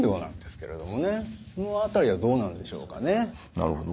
なるほど。